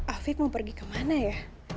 afiq mau pergi kemana ya